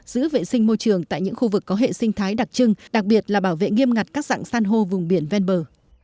giữ vệ sinh môi trường tại những khu vực có hệ sinh thái đặc trưng đặc biệt là bảo vệ nghiêm ngặt các dạng san hô vùng biển ven bờ